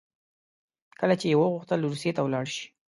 کله چې یې وغوښتل روسیې ته ولاړ شي.